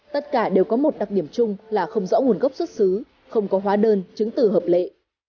tất cả đều có một đặc điểm chung là không rõ nguồn gốc xuất xứ không có hóa đơn chứng từ hợp lệ